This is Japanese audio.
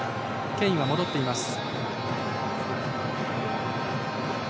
ケインは戻っています。